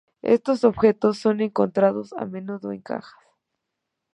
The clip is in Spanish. Estos objetos son encontrados a menudo en cajas.